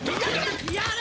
やれ！